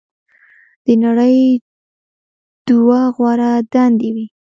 "د نړۍ دوه غوره دندې وې.